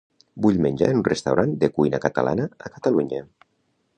Vull menjar en un restaurant de cuina catalana a Catalunya.